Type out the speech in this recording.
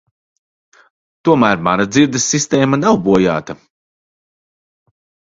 Tomēr mana dzirdes sistēma nav bojāta.